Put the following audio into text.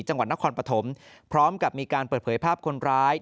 จังหวัดนครปฐมพร้อมกับมีการเปิดเผยภาพคนร้าย